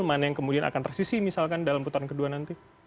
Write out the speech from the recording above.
mana yang kemudian akan tersisi misalkan dalam putaran kedua nanti